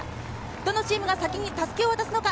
どのチームが先に襷を渡すのか？